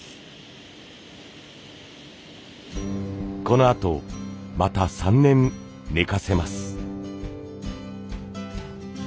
このあとまた３年寝かせます。